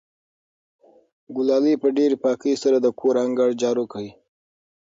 ګلالۍ په ډېرې پاکۍ سره د کور انګړ جارو کړ.